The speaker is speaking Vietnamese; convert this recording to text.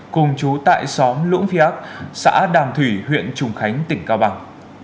cùng chú tại xóm lũng phía ác xã đàm thủy huyện trùng khánh tỉnh cao bằng